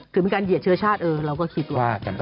คือมีการเหยียดเชื้อชาติเราก็คิดว่า